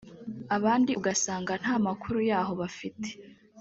abandi ugasanga nta n’amakuru yaho bafite